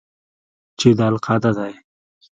چې دا القاعده دى.